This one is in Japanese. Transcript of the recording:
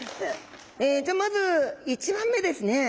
じゃあまず１番目ですね。